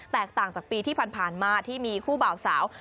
ต่างจากปีที่ผ่านมาที่มีคู่บ่าวสาว